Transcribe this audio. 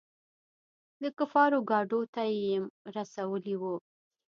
د کفارو ګاډو ته يېم رسولي وو.